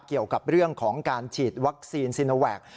เกี่ยวกับเรื่องของการฉีดวัคซีนซีโนแวค